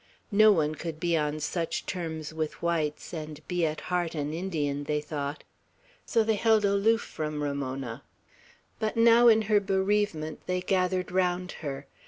No one could be on such terms with whites, and be at heart an Indian, they thought; so they held aloof from Ramona. But now in her bereavement they gathered round her.